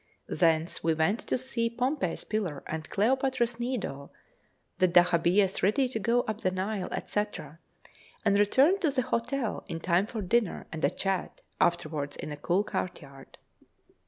Thence we went to see Pompey's Pillar and Cleopatra's Needle, the dahabeas ready to go up the Nile, &c. and returned to the hotel in time for dinner and a chat afterwards in the cool courtyard.